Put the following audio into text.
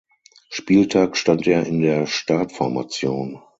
Spieltag stand er in der Startformation.